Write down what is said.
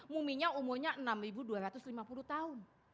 muminya umurnya enam dua ratus lima puluh tahun